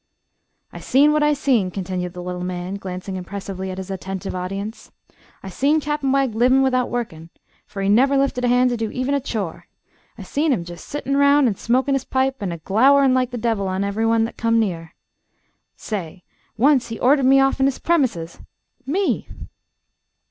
"I seen what I seen," continued the little man, glancing impressively at his attentive audience. "I seen Cap'n Wegg livin' without workin', fer he never lifted a hand to do even a chore. I seen him jest settin' 'round an' smokin' his pipe an' a glowerin' like a devil on ev'ryone thet come near. Say, once he ordered me off'n his premises me!"